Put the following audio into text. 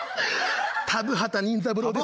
たぶ畑任三郎です。